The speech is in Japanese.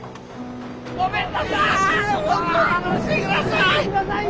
ごめんなさい！